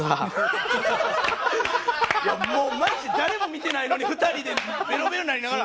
もうマジで誰も見てないのに２人でベロベロになりながら。